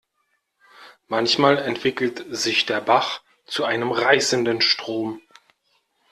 Manchmal entwickelt sich der Bach zu einem reißenden Strom.